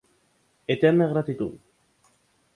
Eterna gratitud.